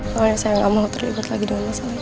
pokoknya saya gak mau terlibat lagi dengan masalah ini